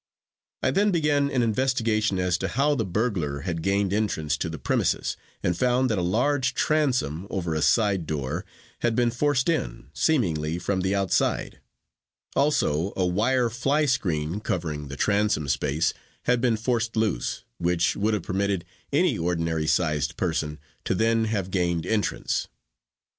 I then began an investigation as to how the "burglar" had gained entrance to the premises, and found that a large transom over a side door had been forced in, seemingly from the outside; also a wire fly screen covering the transom space had been forced loose, which would have permitted any ordinary sized person to then have gained entrance.